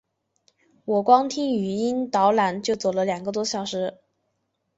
我光听语音导览就走了两个多小时